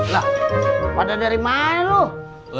bapak dari mana lo